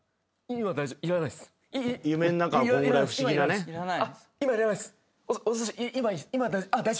今いらないです。